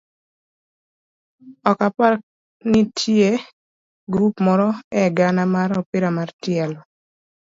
ok apar ni nitie grup moro e gana mar opira mar tielo